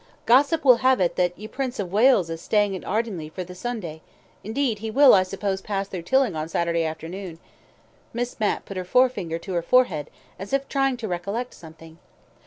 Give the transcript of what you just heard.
"Gossip will have it that ye Prince of Wales is staying at Ardingly for the Sunday; indeed, he will, I suppose, pass through Tilling on Saturday afternoon " Miss Mapp put her forefinger to her forehead, as if trying to recollect something.